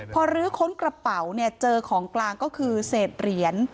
พอลื้อค้นกระเป๋าเนี่ยเจอของกลางก็คือเศษเหรียญ